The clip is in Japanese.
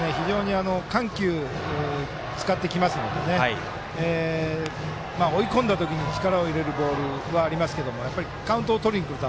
緩急、使ってきますので追い込んだ時に力を入れるボールはありますけどやっぱりカウントをとりにくる球